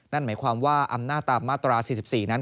นั่นหมายความว่าอำนาจตามมาตรา๔๔นั้น